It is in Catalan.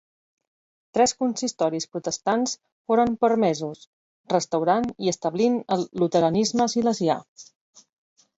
Tres consistoris protestants foren permesos, restaurant i establint el Luteranisme silesià.